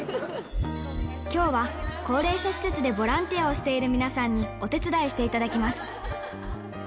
きょうは高齢者施設でボランティアをしている皆さんにお手伝いしていただきます。